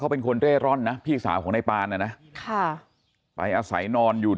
เป็นคนเร่ร่อนนะพี่สาวของนายปานนะนะค่ะไปอาศัยนอนอยู่